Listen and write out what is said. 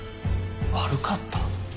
悪かった？